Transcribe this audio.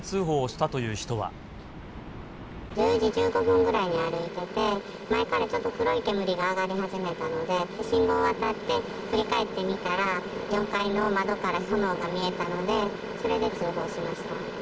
１０時１５分ぐらいに歩いてて、前からちょっと黒い煙が上がり始めたので、信号渡って振り返って見たら、４階の窓から炎が見えたので、それで通報しました。